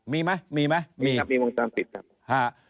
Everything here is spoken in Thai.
มีไหมมีไหมมีครับมีวงค์สร้างติดครับ